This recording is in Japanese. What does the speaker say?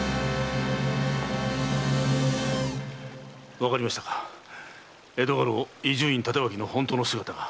わかりましたか江戸家老伊集院帯刀の本当の姿が。